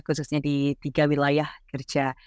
khususnya di tiga wilayah kerja